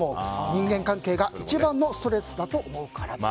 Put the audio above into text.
人間関係が一番のストレスだと思うからだと。